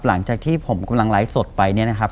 หลังจากที่ผมกำลังไลฟ์สดไปเนี่ยนะครับ